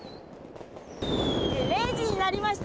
０時になりました。